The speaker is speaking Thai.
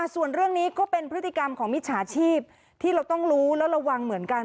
ส่วนเรื่องนี้ก็เป็นพฤติกรรมของมิจฉาชีพที่เราต้องรู้และระวังเหมือนกัน